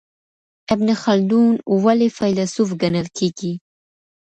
ابن خلدون ولي فیلسوف ګڼل کیږي؟